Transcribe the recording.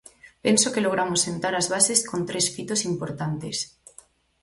Penso que logramos sentar as bases con tres fitos importantes.